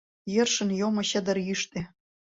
Йӧршын йомо чыдыр йӱштӧ.